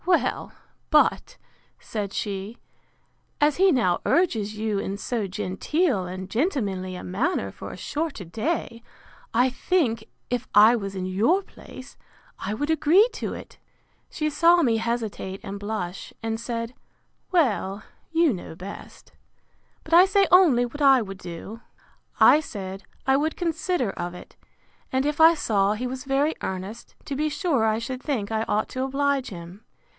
Well, but, said she, as he now urges you in so genteel and gentlemanly a manner for a shorter day, I think, if I was in your place, I would agree to it. She saw me hesitate and blush, and said, Well, you know best; but I say only what I would do. I said, I would consider of it; and if I saw he was very earnest, to be sure I should think I ought to oblige him.